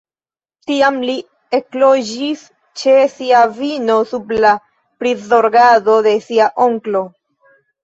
Tiam li ekloĝis ĉe sia avino sub la prizorgado de sia onklo.